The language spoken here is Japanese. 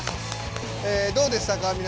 どうでしたか？